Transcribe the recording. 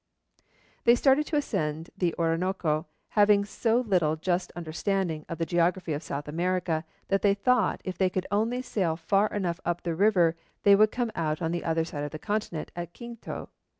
They started to ascend the Orinoco, having so little just understanding of the geography of South America that they thought if they could only sail far enough up the river they would come out on the other side of the continent at Quito.